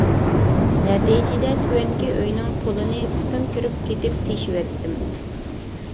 نەتىجىدە تۆۋەنكى ئۆينىڭ پولىنى پۇتۇم كىرىپ كېتىپ تېشىۋەتتىم.